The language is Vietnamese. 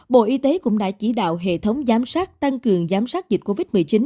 bộ y tế cũng đã chỉ đạo hệ thống giám sát tăng cường giám sát dịch covid một mươi chín